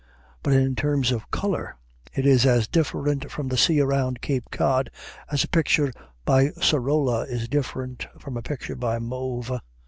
Put in terms of color, it is as different from the sea round Cape Cod as a picture by Sorolla is different from a picture by Mauve.